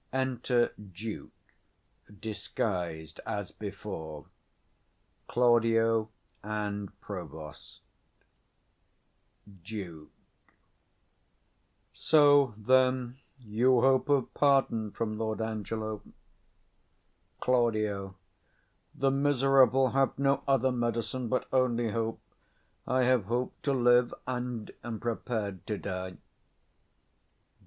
_ Enter DUKE disguised as before, CLAUDIO, and PROVOST. Duke. So, then, you hope of pardon from Lord Angelo? Claud. The miserable have no other medicine But only hope: I've hope to live, and am prepar'd to die.